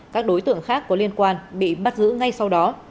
các đối tượng khác có liên quan bị bắt giữ ngay sau đó